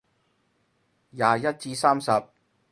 廿一至三十